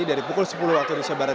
dari pukul sepuluh waktu di soebarat